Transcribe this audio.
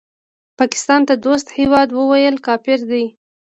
پاکستان ته دوست هېواد وویل کفر دی